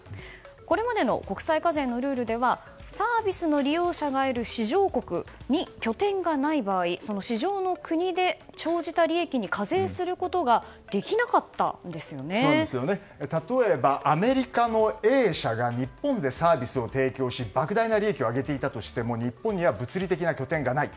これまでの国際課税のルールではサービスの利用者が得る市場国に拠点がない場合、その市場の国で生じた利益に課税することが例えば、アメリカのＡ社が日本でサービスを提供し莫大な利益を上げていたとしても日本には物理的な拠点がない。